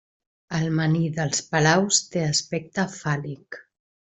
El menhir dels Palaus té aspecte fàl·lic.